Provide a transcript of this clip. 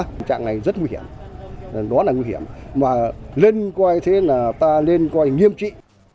tình trạng này rất nguy hiểm đó là nguy hiểm mà lên coi như thế là ta nên coi nghiêm trị